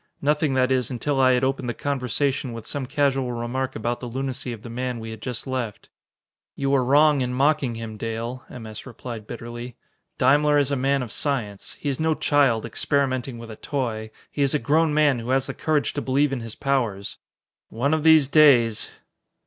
Nothing, that is, until I had opened the conversation with some casual remark about the lunacy of the man we had just left. "You are wrong in mocking him, Dale," M. S. replied bitterly. "Daimler is a man of science. He is no child, experimenting with a toy; he is a grown man who has the courage to believe in his powers. One of these days...."